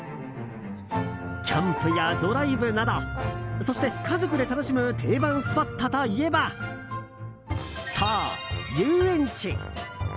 キャンプやドライブなどそして、家族で楽しむ定番スポットといえばそう、遊園地！